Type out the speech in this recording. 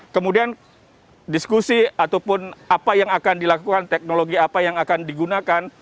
kemudian diskusi ataupun apa yang akan dilakukan teknologi apa yang akan digunakan